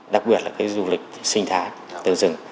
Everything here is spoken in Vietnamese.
đặc biệt là du lịch sinh thái từ rừng